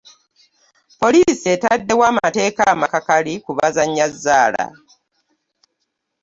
Poliisi etaddewo amateeka amakakali ku bazannya zzaala.